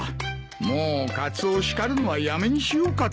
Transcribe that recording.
もうカツオを叱るのはやめにしようかと。